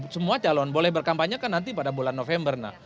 semua calon boleh berkampanye kan nanti pada bulan november